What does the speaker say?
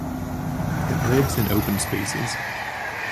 It lives in open spaces.